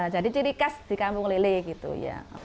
jadi ciri khas di kampung lele gitu ya